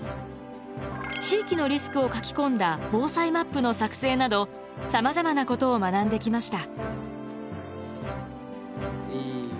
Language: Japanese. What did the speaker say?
地域のリスクを書き込んだ防災マップの作成などさまざまなことを学んできました。